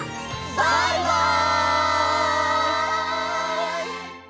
バイバイ！